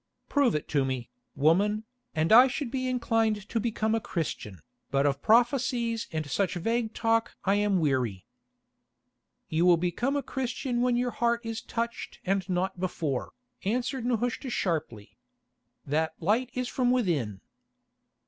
"Prove it to me, woman, and I should be inclined to become a Christian, but of prophecies and such vague talk I am weary." "You will become a Christian when your heart is touched and not before," answered Nehushta sharply. "That light is from within."